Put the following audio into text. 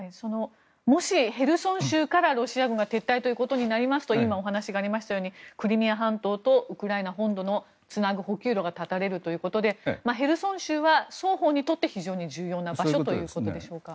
もし、ヘルソン州からロシア軍が撤退ということになりますと今、お話がありましたようにクリミア半島とウクライナ本土をつなぐ補給路が断たれるということでヘルソン州は双方にとって非常に重要な場所ということでしょうか。